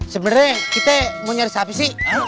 sebenarnya kita mau nyari sapi sih